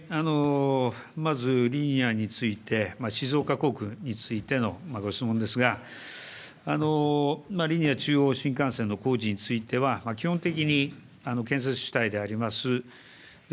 まずリニアについて、静岡工区についてのご質問ですが、リニア中央新幹線の工事については、基本的に建設主体であります